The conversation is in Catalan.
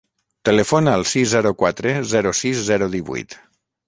Telefona al sis, zero, quatre, zero, sis, zero, divuit.